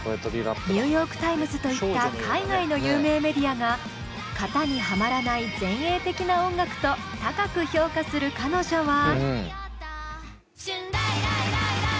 「ニューヨーク・タイムズ」といった海外の有名メディアが「型にはまらない前衛的な音楽」と高く評価する彼女は。